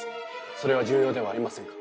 それは重要ではありませんか？